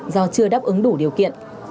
đã mắc do chưa đáp ứng đủ điều kiện